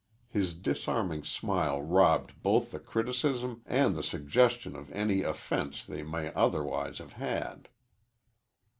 His disarming smile robbed both the criticism and the suggestion of any offense they might otherwise have had.